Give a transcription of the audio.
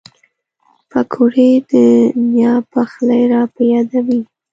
پکورې د نیا پخلی را په یادوي